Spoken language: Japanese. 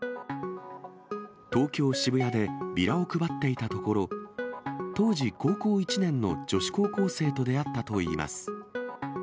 東京・渋谷でビラを配っていたところ、当時、高校１年の女子高校生と出会ったといいます。